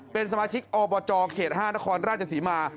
เป็นสมาชิกอบจเขต๕นครราชศรีมา